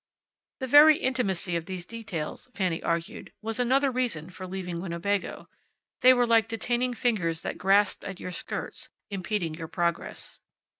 The very intimacy of these details, Fanny argued, was another reason for leaving Winnebago. They were like detaining fingers that grasped at your skirts, impeding your progress.